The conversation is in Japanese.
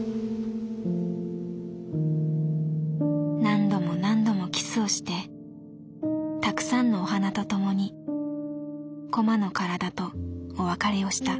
「何度も何度もキスをしてたくさんのお花と共にコマの身体とお別れをした。